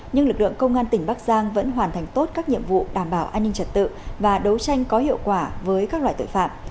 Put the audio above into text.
nhưng lực lượng công an tỉnh bắc giang vẫn hoàn thành tốt các nhiệm vụ đảm bảo an ninh trật tự và đấu tranh có hiệu quả với các loại tội phạm